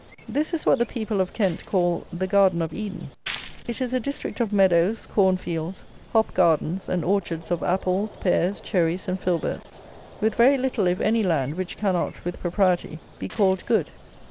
This is what the people of Kent call the Garden of Eden. It is a district of meadows, corn fields, hop gardens, and orchards of apples, pears, cherries and filberts, with very little if any land which cannot, with propriety, be called good.